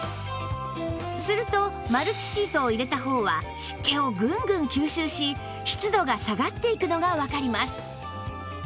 するとマルチシートを入れた方は湿気をグングン吸収し湿度が下がっていくのがわかります